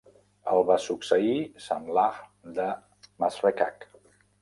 El va succeir Samlah de Masrekah.